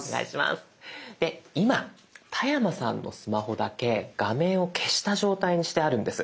で今田山さんのスマホだけ画面を消した状態にしてあるんです。